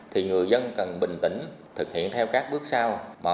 thì người dân cần bình tĩnh thực hiện theo các bước sau